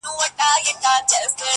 په گلونو کي عجيبه فلسفه ده~